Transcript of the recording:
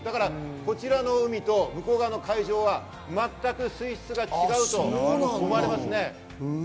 こちらの海と向こう側の会場は全く水質が違うと思われますね。